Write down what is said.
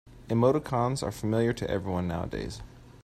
Emoticons are familiar to everyone nowadays.